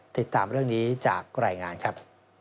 ติดตามเรื่องนี้จากรายงานครับ